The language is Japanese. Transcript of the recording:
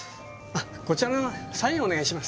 こちらの方へサインお願いします。